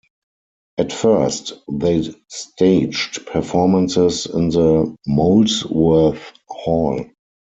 At first, they staged performances in the Molesworth Hall.